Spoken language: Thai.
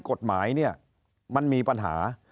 กฎหมายเนี่ยมันมีปัญหา